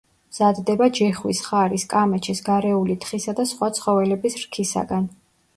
მზადდება ჯიხვის, ხარის, კამეჩის, გარეული თხისა და სხვა ცხოველების რქისაგან.